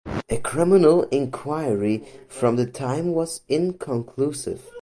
A criminal inquiry from the time was inconclusive.